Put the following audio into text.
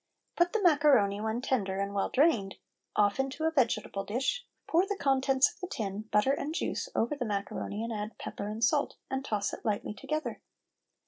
Put the macaroni when tender and well drained off into a vegetable dish, pour the contents of the tin, butter and juice, over the macaroni and add pepper and salt, and toss it lightly together.